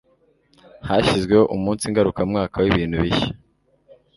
hashyizweho umunsi ngarukamwaka w'ibintu bishya